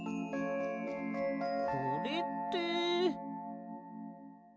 これって？